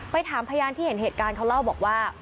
ถามพยานที่เห็นเหตุการณ์เขาเล่าบอกว่า